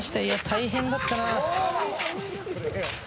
いや、大変だったな。